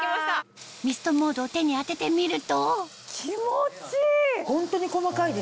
ミストモードを手に当ててみると気持ちいい！